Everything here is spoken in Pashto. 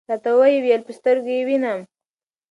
راته وې ویل: په سترګو یې وینم .